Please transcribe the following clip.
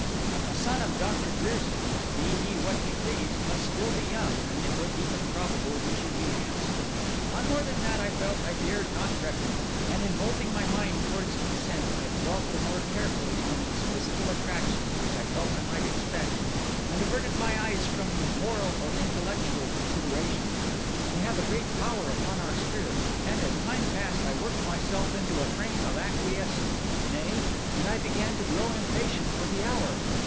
A son of Doctor Grierson's, be he what he pleased, must still be young, and it was even probable he should be handsome; on more than that, I felt I dared not reckon; and in moulding my mind towards consent I dwelt the more carefully on these physical attractions which I felt I might expect, and averted my eyes from moral or intellectual considerations. We have a great power upon our spirits; and as time passed I worked myself into a frame of acquiescence, nay, and I began to grow impatient for the hour.